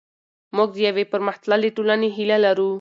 موږ د یوې پرمختللې ټولنې هیله لرو.